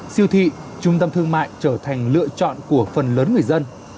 siêu thị trung tâm thương mại trở thành lựa chọn của phần lớn người dân